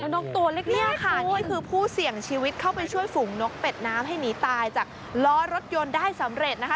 นกตัวเล็กเนี่ยค่ะนี่คือผู้เสี่ยงชีวิตเข้าไปช่วยฝูงนกเป็ดน้ำให้หนีตายจากล้อรถยนต์ได้สำเร็จนะคะ